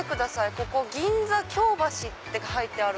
ここ「銀座京橋」って書いてある。